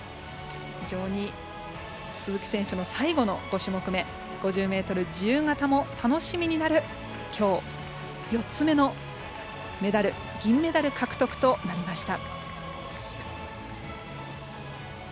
非常に鈴木選手の最後の５種目め５０ｍ自由形も楽しみになるきょう４つ目のメダル銀メダル獲得となりました。